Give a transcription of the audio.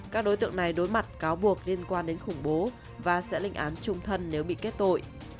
các đối tượng này đối mặt cáo buộc liên quan đến khủng bố và sẽ lịnh án trung thân nếu bị kết tội